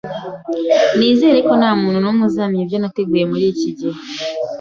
Nizere ko ntamuntu numwe uzamenya ibyo nateguye muriki gihe cyose.